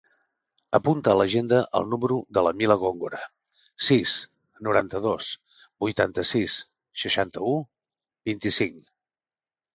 Apunta a l'agenda el número de la Mila Gongora: sis, noranta-dos, vuitanta-sis, seixanta-u, vint-i-cinc.